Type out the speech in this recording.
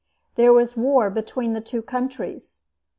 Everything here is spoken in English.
There was war between the two countries.